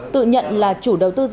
tự nhận là chủ đầu tư dân